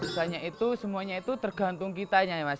susahnya itu semuanya itu tergantung kitanya mas